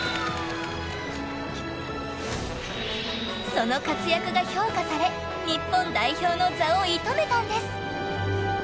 その活躍が評価され日本代表の座を射止めたんです。